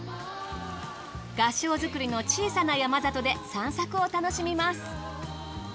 合掌造りの小さな山里で散策を楽しみます。